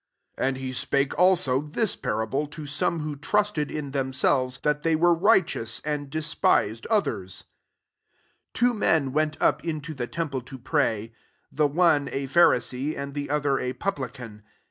9 And he spake [also] thk parable, to some who trusted in themselves, that they w^ere righteous, and despised odiers: 10 " Two men went up into the temple to pray ; the one t Pharisee, and the other a pub lican.